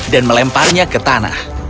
dan melemparnya ke tanah